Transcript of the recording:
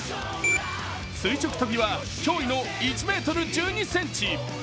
垂直跳びは脅威の１ｍ１２ｃｍ。